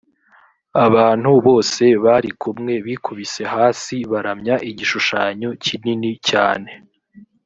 abantu bose bari kumwe bikubise hasi baramya igishushanyo kinini cyane